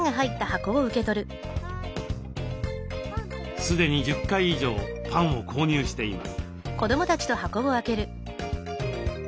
すでに１０回以上パンを購入しています。